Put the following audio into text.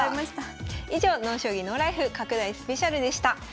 以上「ＮＯ将棋ＮＯＬＩＦＥ」拡大スペシャルでした。